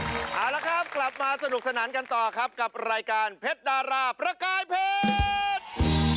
เอาละครับกลับมาสนุกสนานกันต่อครับกับรายการเพชรดาราประกายเพชร